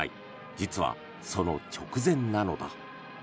実は、その直前なのだ。